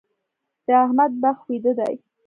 د احمد بخت ويده دی.